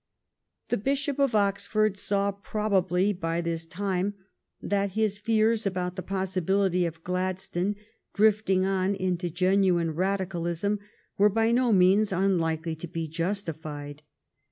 The Bishop of Oxford saw probably by this time that his fears about the possibility of Glad stone drifting on into genuine Radicalism were by no means unlikely to be justified.